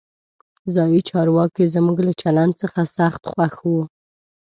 ځایي چارواکي زموږ له چلند څخه سخت خوښ وو.